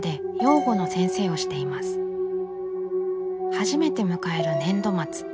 初めて迎える年度末。